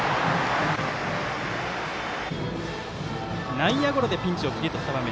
内野ゴロでピンチを切り抜けた場面。